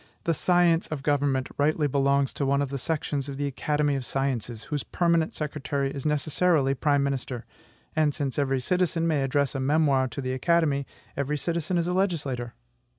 The science of government rightly belongs to one of the sections of the Academy of Sciences, whose permanent secretary is necessarily prime minister; and, since every citizen may address a memoir to the Academy, every citizen is a legislator.